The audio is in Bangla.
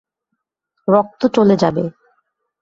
রক্ত চলে যাবে।